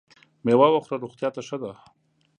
مېوه وخوره ! روغتیا ته ښه ده .